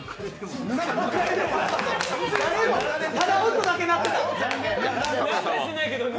音だけ鳴ってた。